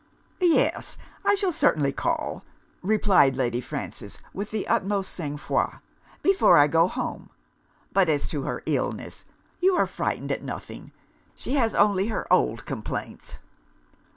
'Yes, I shall certainly call,' replied Lady Frances with the utmost sang froid, 'before I go home. But as to her illness, you are frightened at nothing: she has only her old complaints.'